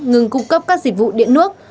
ngừng cung cấp các dịch vụ điện nước